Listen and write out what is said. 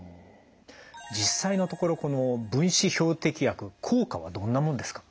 実際のところこの分子標的薬効果はどんなもんですか？